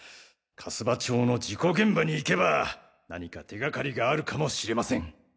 粕場町の事故現場に行けば何か手がかりがあるかもしれません。